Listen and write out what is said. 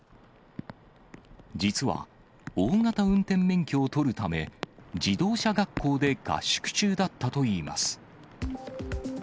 実は、大型運転免許を取るため、自動車学校で合宿中だったといいます。